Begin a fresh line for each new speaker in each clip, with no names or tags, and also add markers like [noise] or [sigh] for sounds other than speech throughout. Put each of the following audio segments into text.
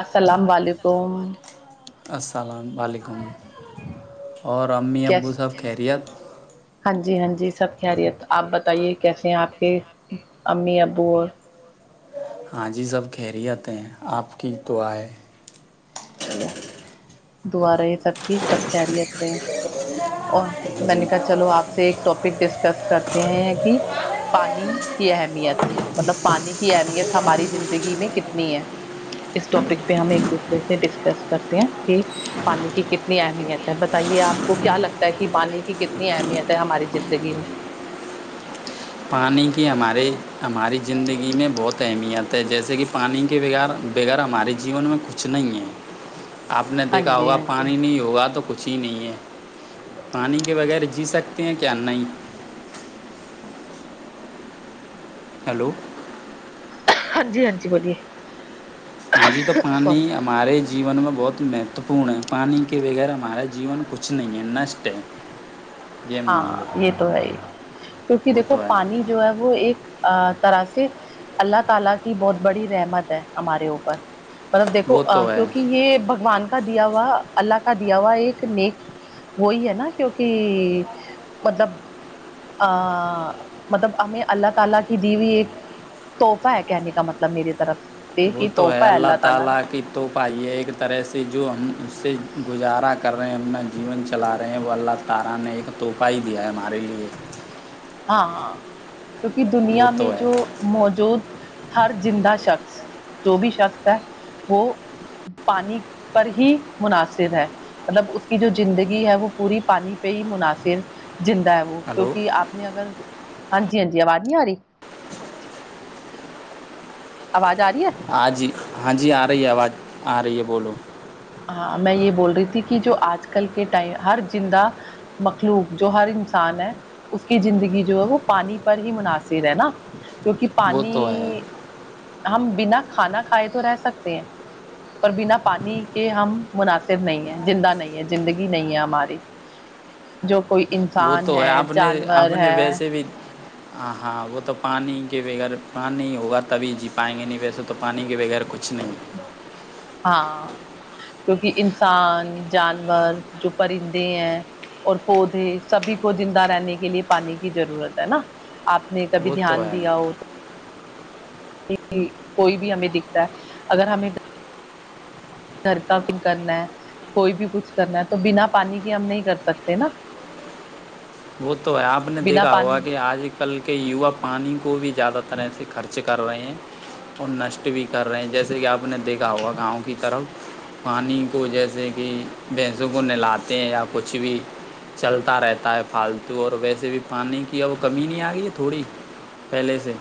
السلام علیکم
السلام علیکم اور امی
کیس
ابو سب خیریت
ہاں جی ہاں جی سب کہریت آپ بتائیے کیسے ہیں آپ کے امی ابو اور
ہاں جی سب خیریتیں ہیں آپ کی تو آئے
چلو دعا رہے سب کی سب خیریت رہی اور میں
جی
نے کہا چلو آپ سے ایک ٹاپک ڈسک کرتے ہیں کہ پانی کی اہمیت مطلب پانی کی اہمیت ہماری زندگی میں کتنی ہے اس ٹاپک پہ ہم ایک دوسرے سے ڈسکس کرتے ہیں کہ پانی کی کتنی اہمیت ہے بتائیے آپ کو کیا لگتا ہے کہ پانی کی کتنی اہمیت ہے ہماری زندگی میں
پانی کی ہمارے ہماری زندگی میں بہت اہمیت ہے جیسے کہ پانی کے بغیر بغیر ہمارے جیون میں کچھ نہیں ہے آپ نے
ہاں
دیکھا
جی
ہوگا
ہاں جی
پانی نہیں ہوگا تو کچھ اچی نہیں ہے پانی کے بغیر جی سکتے ہیں کیا نہیں ہیلو
ہاں جی ہاں جی بولیے
ہاں جی تو پانی
سوری
ہمارے جیون میں بہت مہتوپورن ہے پانی کے بغیر ہمارا جیون کچھ نہیں ہے نشٹ ہے یہ مان لو
ہاں یہ تو ہے ہی کیونکہ
وہ
دیکھو
تو ہے
پانی جو ہے وہ ایک طرح سےاللہ تعالی کی بہت بڑی رحمت ہے ہمارے اوپر دیکو
وہ تو ہے
کیونکہ یہ بگوان کا دیا ہوا اللہ کا دیا ہوا ایک نیک وہی ہے نا کیوںکہ مطلب ا مطلب ہمیں اللہ تعالی کی دی ہوئی ایک تحفہ ہے کہنے کا مطلب میری طرف
وہ تو ہے اللہ تعالی کی تو پائی ہے ایک طرح سے جو ہم سے گزارا کر رہے ہیں اپنا جیون چلا رہے ہیں وہ اللہ تعالی نے ایک طوفہ ہی دیا ہے ہمارے لیے
ہاں ہاں کیونکہ
وہ
دنیا میں
تو ہے
جو موجود ہر زندہ شخص جو بھی شخص ہے وہ پانی پر ہی مناصر ہے مطلب اس کی جو زندگی ہے وہ پوری پانی پہ ہی مناصر زندہ ہے وہ
ہلو
کیونکہ آپ ہاں جی ہاں جی آواز نہیں آ رہی آواز آ رہی ہے
ہاں جی ہاں جی آ رہی ہے آواز آ رہی ہے بولو
ہاں میں یہ بول رہی تھی کہ جو آج کل کے ٹائم ہر زندہ مخلوق جو ہر انسان ہے اس کی زندگی جو ہے وہ پانی پر ہی مناصر ہے نا کیونکہ
وہ
پانی
تو ہے
ہم بنا کھانا کھائے تو رہ سکتے ہیں پر بنا پانی کہ ہم مناسب نہیں ہے زندہ نہیں ہے زندگی نہیں ہے ہماری جو کوئی
وہ
انسان
تو
ہے
آپ نے
جانور
آپ نے
ہے
ویسے بھی ہاں ہاں وہ تو پانی کے بغیر پانی ہوگا تبھی جی پائیں گے نہیں ویسے تو پانی کے بغیر کچھ نہیں
ہاں کیونکہ انسان جانور جو پرندے ہیں اور پودے سبھی کو زندہ رہنے کے لیے پانی کی ضرورت ہے نا آپ نے کبھی
وہ تو
دھیان
ہے
دیا ہو تو کوئی بھی ہمیں دکھتا ہے اگر ہمیں گھر کا کم کرنا ہے کوئی بھی کچھ کرنا ہے تو بنا پانی کے ہم نہیں کر سکتے نا
وہ تو ہے آپ نے
بنا
دیکھا ہوا
پانی
کہ آج کل کے یوا پانی کو بھی زیادہ طرح سے خرچ کر رہے ہیں اور نشٹ بھی کر رہے ہیں جیسے کہ آپ نے دیکھا ہوا گاؤں کی طرف پانی کو جیسے کہ بھینسوں کو نہلاتے ہیں یا کچھ بھی چلتا رہتا ہے پالتو اور ویسے بھی پانی کی اب کمی نہیں آ گئی ہے تھوڑی پہلے سے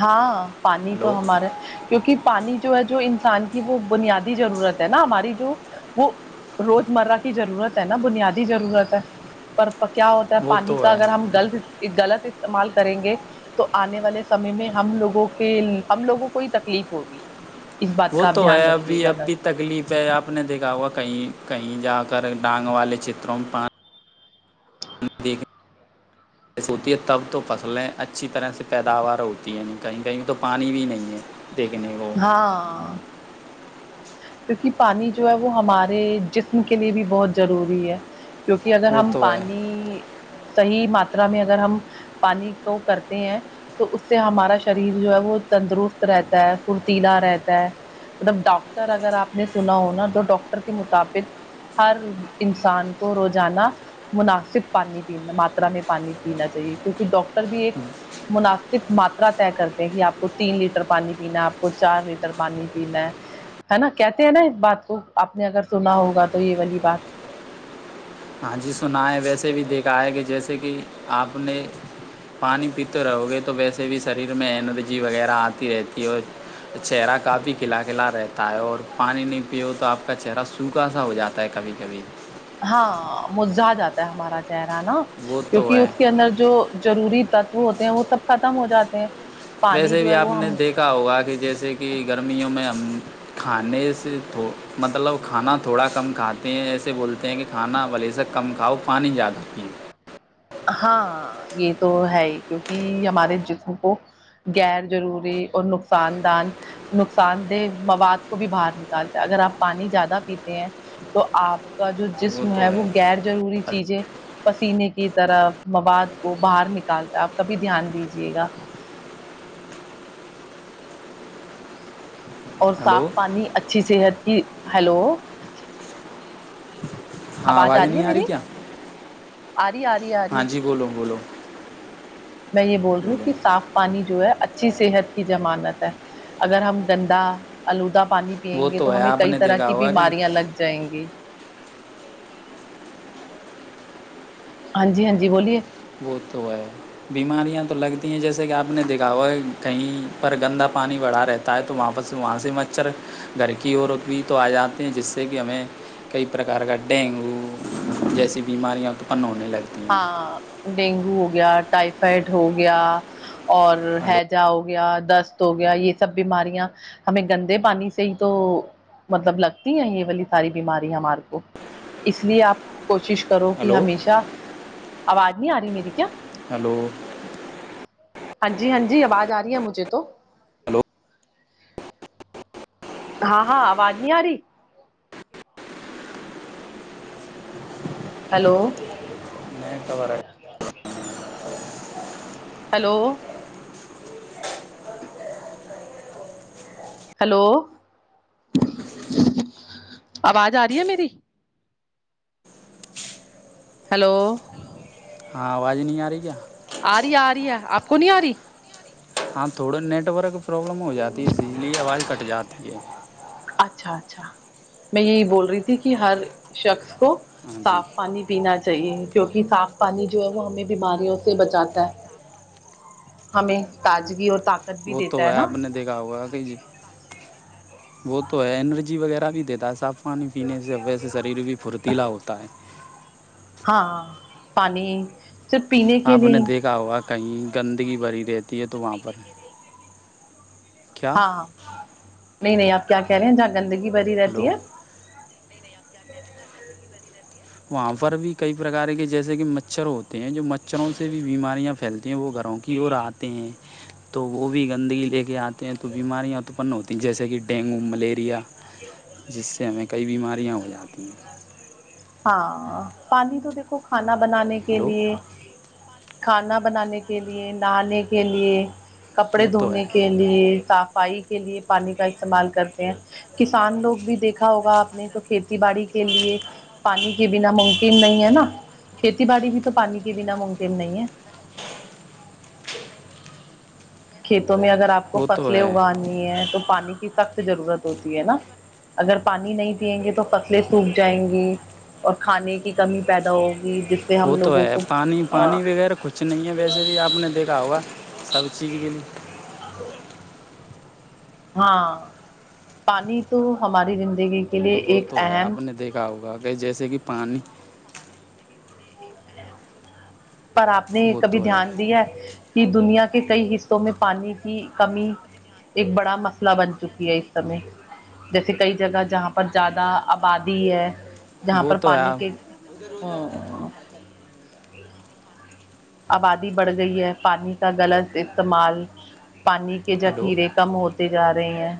ہاں پانی
ہلو
تو ہمارے کیونکہ پانی جو ہے جو انسان کی وہ بنیادی ضرورت ہے نا ہماری جو وہ روز مرہ کی ضرورت ہے نا بنیادی ضرورت ہے پر [unintelligible] کیا ہوتا ہے
وہ
پانی
تو
کا
ہے
اگر ہملط غلط [unintelligible] استعمال کریں گے تو آنے والے سمے میں ہم لوگوں کے ہم لوگوں کو ہی تکلیف ہوگی [unintelligible]
وہ
کا آپ
تو ہے
دھیان رکھیے
ابھی
گا
اب
گھر
بھی تکلیف ہے آپ نے دیکھا ہوا کہیں کہیں جا کر ڈانگ والے چتروں میں پ س ہوتی ہے تب تو فصلیں اچھی طرح سے پیداوار ہوتی ہے کہیں کہیں تو پانی بھی نہیں ہے دیکھنے کو
ہاں کیونکہ پانی جو ہے وہ ہمارے جسم کے لیے بھی بہت ضروری ہے کیونکہ اگر
وہ
ہم
تو ہے
پانی [unintelligible] صحیح ماترا میں اگر ہم پانی کو کرتے ہیں تو اس سے ہمارا شریر جو ہے وہ تندرست رہتا ہے [unintelligible] پھرتیلا رہتا ہے مطلب ڈاکٹر اگر آپ نے سنا ہو نا تو ڈاکٹر کے مطابق ہر انسان کو روزانہ مناسب پانی پین ماترا میں پانی پینا چاہیے کیونکہ ڈاکٹر [unintelligible] بھی ایک مناسب [unintelligible] صرف ماترا طے کرتے ہیں کہ آپ کو تین لیٹر پانی پینا آپ [unintelligible] کو چار لیٹر پانی پینا ہے ہے نا کہتے ہیں نا بات کو آپ نے اگر سنا ہوگا تو یہ والی بات
ہاں جی سنا ہے ویسے بھی دیکھا ہے کہ جیسے کہ آپ نے پانی پیتے رہو گے تو ویسے بھی شریر میں انرجی وغیرہ آتی رہتی ہے اور چہرہ کافی کھلا کھلا رہتا ہے اور پانی نہیں پیو تو آپ کا چہرہ سوکھا سا ہو جاتا ہے کبھی کبھی
ہاں مزا جاتا ہے ہمارا رہا نا
وہ تو
کیونکہ
ہے
اس کے اندر جو [unintelligible] ضروری تتو ہوتے ہیں وہ سب ختم ہو جاتے ہیں [unintelligible] پانی
ویسے
جو
بھی
ہے
آپ
وہ
نے
ہم
دیکھا ہوگا کہ جیسے کہ گرمیوں میں ہم کھانے سے مطلب کھانا تھوڑا کم کھاتے ہیں ایسے بولتے ہیں کہ کھانا و والیزہ کم کھاؤ [unintelligible] پانی زیادہتیے [unintelligible]
ہاں یہ تو ہے ہی کیونکہ ہمارے جسم کو غیر جضروری اور نقصان دان نقصان دہ مواد کو بھی باہر نکالتا ہے اگر آپ پانی زیادہ پیتے ہیں تو آپ کا جو جسم ہے وہ غیر جضروری چیزیں پسینے کی طرح مواد کو باہر نکالتا ہے آپ کا بھی دھیان دیجیے گا اور صاف
ہلو
پانی اچھی صحت کی ہلو آواز آ رہی ہے میری آ رہی آ رہی آ رہی
ہاں
ہے
جی بولو بولو
میں یہ بول رہی ہوں
بولو
کہ صاف پانی جو ہے اچھی صحت کی مانت ہے اگر ہم گندا آلودہ پانی
وہ
پییں گے تو
ہے
ہمیں
آپ
کئی
نے
طرح
دیکھا
کی
ہوگا کہ
بیماریاں لگ جائیں گی ہاں جی ہاں جی بولیے
وہ تو ہے بیماریاں تو لگتی ہیں جیسے کہ آپ نے دھا ہوا ہے کہیں پر گندہ پانی بڑھا رہتا ہے تو وہاں سے وہاں سے مچھر گھر کی عورت بھی تو آ جاتے ہیں جس سے کہ ہمیں کئی پرکار کا ڈینگو جیسی بیماریاں اتپن ہونے لگتی ہیں
ہاں ڈینگو ہو گیا ٹائفائڈ ہو گیا اور
ہلو
ہیجا ہو گیا دست ہو گیا یہ سب بیماریاں ہمیں گندے پانی سے ہی تو مطلب لگتی ہیں یہ والی ساری بیماری ہمارے کو اس لیے آپ کوشش کرو کہ
ہلو
ہمیشہ آواز نہیں آ رہی میری کیا
ہلو
ہاں جی ہاں جی آواز آ رہی ہے مجھے تو
ہلو
ہاں ہاں آواز نہیں آ رہی ہلو
نہیں تو رہ
ہیلو ہلو آواز آ رہی ہے میری ہلو
ہاں آواز نہیں آ رہی کیا
آ رہی آ رہی ہے آپ کو نہیں آ رہی
ہاں تھوڑا نیٹورک پرابلم ہو جاتی ہے اسی لیے آواز کٹ جاتی ہے
اچھا اچھا میں یہی بول رہی تھی کہ ہر شخص کو
ہاں جی
صاف پانی پینا چاہیے کیونکہ صاف پانی جو ہے وہ ہمیں بیماریوں سے بچاتا ہے ہمیں تازگی اور طاقت بھی
وہ تو
دیتا
ہے
نا
آپ نے دیکھا ہوا کہ جی وہ تو ہے انرجی وغیرہ بھی دیتا ہے صاف پانی پینے سے ویسے شریر بھی پھرتیلا ہوتا ہے
ہاں پانی جب پینے کے
آپ نے
لیے
دیکھا ہوگا کہیں گندگی بری رہتی ہے تو وہاں پر کیا
ہاں ہاں نہیں نہیں آپ کیا کہہ رہے ہیں گندگی بری
ہلو
رہتی ہے [inaudible]
وہاں پر بھی کئی پرکار کے جیسے کہ مچھر ہوتے ہیں جو مچھروں سے بھی بیماریاں پھیلتی ہیں وہ گھروں کی اور آتے ہیں تو وہ بھی گندگی لے کے آتے ہیں تو بیماریاں اتپن ہوتی ہیں جیسے کہ ڈینگو ملیریا جس سے ہمیں کئی بیماریاں ہو جاتی ہیں
ہاں پانی تو دیکھو کھان کھانا بنانے کے
ہلو
لیے کھانا بنانے کے لیے نہانے کے لیے کپڑے
وہ تو
دھونے
ہے
کے لیےف صفائی کے لیے پانی کا استعمال کرتے ہیں کسان لوگ بھی دیکھا ہوگا آپ نے تو کھیتی باڑی کے لیے پانی کے بنا ممکن نہیں ہے نا کھیتی باڑی بھی تو پانی کے بنا ممکن نہیں ہے کھیتی [unintelligible] میں اگر آپ کو
وہ تو
پتلیں
ہے
اگانی ہے تو پانی سخت ضرورت ہوتی ہے نا اگر پانی نہیں پیئیں گے تو فصلیں سوکھ جائیں گی اور کھانے کی کمی پیدا ہوگی جس سے
وہ
ہم
تو
لوگوں
ہے
کو
پانی پانی وغیرہ کچھ نہیں ہے ویسے بھی آپ نے دیکھا ہوگا اب چیز بھی
ہاں پانی تو ہماری زندگی کے لیے
وہ
ایک
تو ہے
اہم
آپ نے دیکھا ہوگا کہ جیسے کہ پانی
پر آپ نے یہ
وہ
کبھی
تو ہے
دھیان دیا ہے کہ دنیا کہ کئی حصوں میں پانی کی کمی ایک بڑا مسئلہ بن چکی ہے اس سے جیسے کئی جگہ جہاں پر زیادہ آبادی ہے جہاں
وہ
پر
تو ہے
پانی
آپ
کے ہ ہ [unintelligible] آبادی بڑھ گئی ہے پانی کا غلط استعمال پانی کے
ہلو
جخھیرے کم ہوتے جا رہی ہیں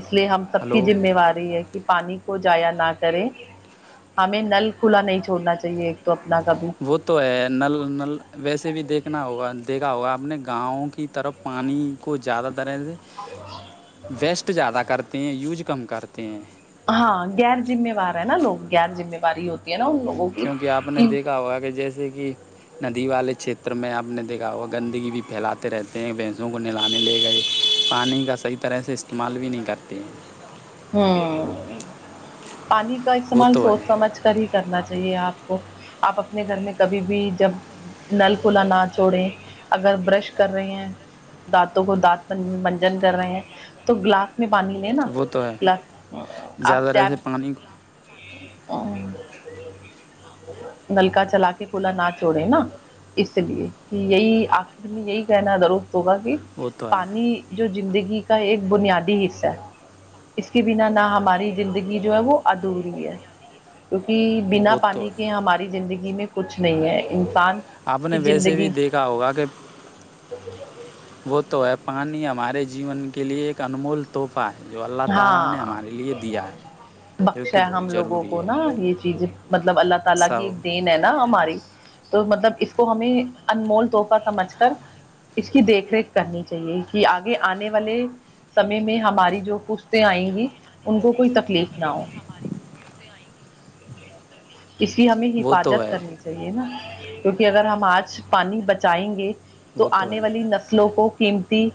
اس لیے ہم سب کی
ہلو
ذمہواری ہے کہ پانی کو جایا نہ کرے ہمیں نل کھلا نہیں چھوڑنا چاہیے ایک تو اپنا کبھی
وہ تو ہے نل نل ویسے بھی دیکھنا ہوگا دیکھا ہوگا آپ نے گاؤں کی طرف پانی کو زیادہ ترح سے ویسٹ زیادہ کرتے تے ہیں یوج کم کرتے ہیں
ہاں غیر ذمےوار ہے نا لوگ غیر ذمےواری ہوتی ہے نا ان لوگوں کی
کیونکہ آپ نے
کہ
دیکھا ہوا کہ جیسے کہ ندی والے چھیتر میں آپ نے دیکھا ہو گندگی بھی پھیلاتے رہتے ہیں بھینسوں کو نہلانے لے گئے پانی کا صحیح طرح سے استعمال بھی نہیں کرتے ہیں
ہاں پانی کا
وہ
استعمال
تو ہے
سوچ سمجھ کر ہی کرنا چاہیے آپ کو آپ اپنے گھر میں کبھی بھی جب نل کھلا نہ چھوڑے اگر برش کر رہے ہیں دانتوں کو دانت منجن کر رہے ہیں تو گلاس میں پا نی لےینا
وہ تو ہے زیادہ تر سے پانی
[unintelligible] نلکا چلا کے کولا نہ چوڑے نا اس لیے کہ یہی آخ میں یہی کہنا ضرور ہوگا کہ
وہ تو ہے
پانی جو زندگی کا ایک بنیادی حصہ ہے اس کے بنا نہ ہماری زندگی جو ہے وہ ادھوری ہے کیونکہ بنا
وہ تو
پانی
ہے
کے ہماری زندگی میں کچھ نہیں ہے ان
آپ نے ویسے بھی دیکھا ہوگا کہ وہ تو ہے پانی ہمارے جیون کے لیے ایک انمول توپ
ہاں
دیا ہے جو
بخش
کہ
ہے ہم
بہت
لوگوں
ضروری
کو
ہے
نا یہ چیز مطلب اللہ تعالی کی
سب
ایک دین ہے نا ہماری تو مطلب اس کو ہمیں انمول طور پر سمجھ کر اس کی دیکھ ریکھ کرنی چاہیے کہ آگے آنے والے سمے میں ہماری جو پوچھتے آئیں گی ان کو کوئی تکلیف نہ ہو اس کی ہمیں
وہ تو
حفاظت
ہے
کرنی چاہیے نا کیونکہ اگر ہم آج پانی بچائیں گے تو
وہ
آنے
ہے
والی نسلوں کو قیمتی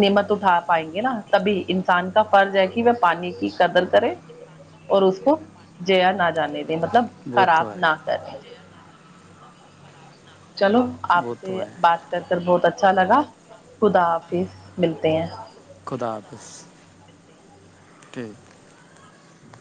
نعمت اٹھا پائیں گے نا تبھی انسان کا فرض ہے کہ وہ پانی کی قدر کرے اور اس کو جیا ن جانے مطلب
وہ
خراب
تو ہے
نہ کریں چلو آپ
وہ تو
سے
ہے
بات کر کر بہت اچھا اچھا لگا خدا حافظ ملتے ہیں
خدا حافظ ٹھ